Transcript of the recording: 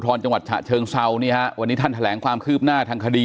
จังหวัดฉะเชิงเซานี่ฮะวันนี้ท่านแถลงความคืบหน้าทางคดี